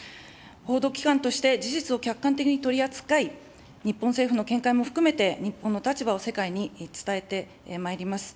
報道機関として事実を客観的に取り扱い、日本政府の見解も含めて、日本の立場を世界に伝えてまいります。